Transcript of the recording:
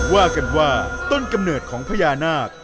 ว่ากันว่าต้นกำเนิดของพญานาค